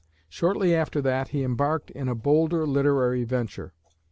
Shortly after that he embarked in a bolder literary venture.